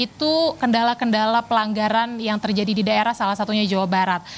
itu kendala kendala pelanggaran yang terjadi di daerah salah satunya jawa barat